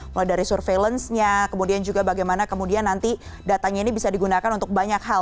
mulai dari surveillance nya kemudian juga bagaimana kemudian nanti datanya ini bisa digunakan untuk banyak hal